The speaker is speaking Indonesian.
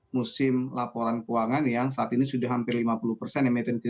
musim laporan keuangan yang saat ini sudah hampir lima puluh persen